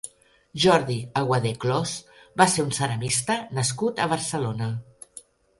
Jordi Aguadé Clos va ser un ceramista nascut a Barcelona.